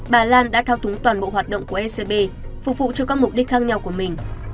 bà lan đã thao túng toàn bộ hoạt động của ecb phục vụ cho các mục đích khác nhau của mình